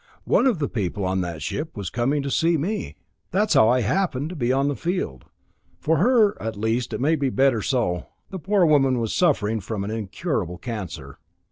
One of the people on that ship was coming to see me. That's how I happened to be on the field. For her, at least, it may be better so. The poor woman was suffering from an incurable cancer."